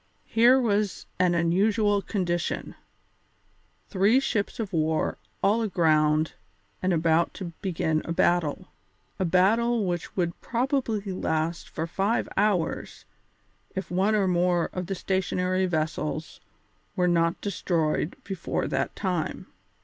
Here was an unusual condition three ships of war all aground and about to begin a battle, a battle which would probably last for five hours if one or more of the stationary vessels were not destroyed before that time.